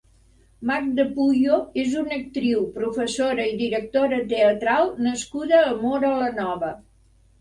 Magda Puyo és una actriu, professora i directora teatral nascuda a Móra la Nova.